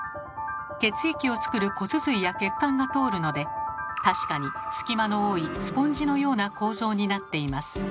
血液を作る骨髄や血管が通るので確かに隙間の多いスポンジのような構造になっています。